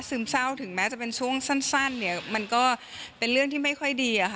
ในภาวะซึมเศร้าถึงแม้จะเป็นช่วงสั้นมันก็เป็นเรื่องที่ไม่ค่อยดี